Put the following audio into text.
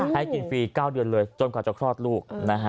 ให้กินฟรี๙เดือนเลยจนกว่าจะคลอดลูก